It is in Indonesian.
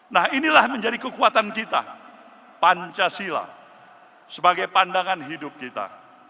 nah inilah menjadi kekuatan kita pancasila sebagai pandangan hidup kita